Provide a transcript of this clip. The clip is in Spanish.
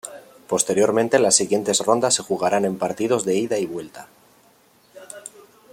Posteriormente, las siguiente rondas se jugarán en partidos de ida y vuelta.